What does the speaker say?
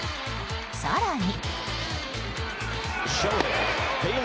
更に。